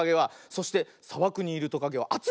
そしてさばくにいるトカゲはあついよ。